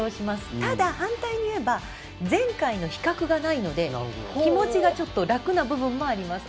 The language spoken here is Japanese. ただ反対にいえば前回の比較がないので気持ちがちょっと楽な部分もあります。